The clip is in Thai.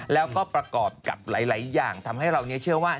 แล้วก็ประกอบกับหลายอย่างทำให้เราเชื่อว่า